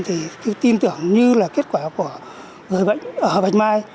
thì tin tưởng như là kết quả của người bệnh ở bạch mai